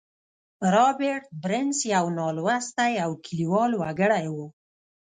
رابرټ برنس يو نالوستی او کليوال وګړی و.